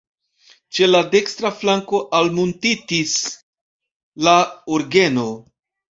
Ĉe la dekstra flanko almuntitis la orgeno.